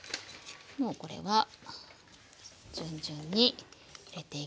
もうこれは順々に入れていきましょう。